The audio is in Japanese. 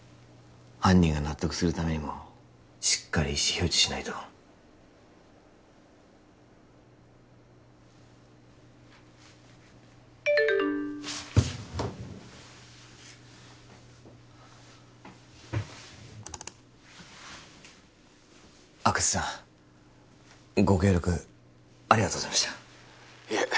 犯人が納得するためにもしっかり意思表示しないと阿久津さんご協力ありがとうございましたいえ